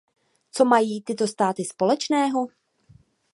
Co mají tyto státy společného?